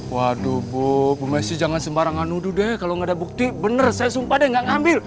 waduh bu bu messi jangan sembarangan nuduh deh kalau gak ada bukti bener saya sumpah deh gak ngambil